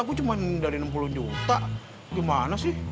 kan dari enam puluh juta gimana sih